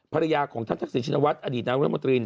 ภรรยาของท่านศักดิ์ศิลป์ชินวัฒน์อดีตนางรมตรีน